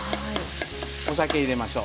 お酒、入れましょう。